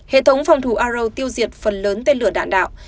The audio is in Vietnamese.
hệ thống phòng thủ aro tiêu diệt phần lớn tên lửa đạn đạo